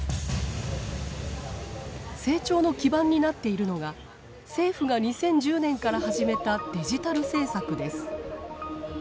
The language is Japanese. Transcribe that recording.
成長の基盤になっているのが政府が２０１０年から始めたデジタル政策です。